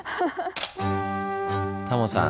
タモさん